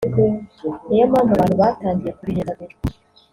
niyo mpamvu abantu batangiye kubihindagura